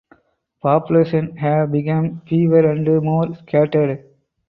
Populations have become fewer and more scattered.